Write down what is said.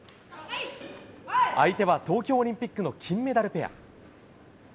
相手は東京オリンピックの金メダルペア。